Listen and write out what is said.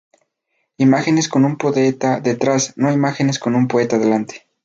Imágenes con un poeta detrás, no imágenes con un poeta delante.